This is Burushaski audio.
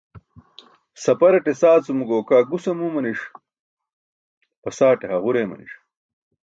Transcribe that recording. Saparate saacumo gokaa gus amumaniṣ, basaate haġur eemaniṣ.